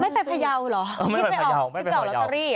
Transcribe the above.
ไม่ไปพยาวเหรอที่ไปเอาลอตเตอรี่